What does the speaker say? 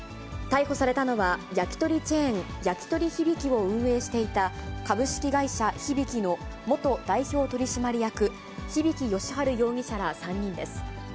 逮捕されたのは、やきとりチェーン、やきとりひびきを運営していた、株式会社ひびきの元代表取締役、日疋好春容疑者ら３人です。